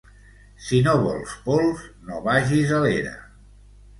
Si no vols pols, no vagis a l'era.